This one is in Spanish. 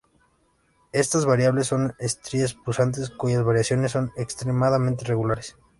Estas variables son estrellas pulsantes cuyas variaciones son extremadamente regulares.